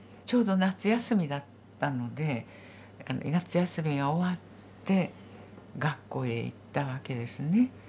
ちょうど夏休みだったので夏休みが終わって学校へ行ったわけですね。